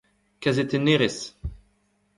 kazetennerez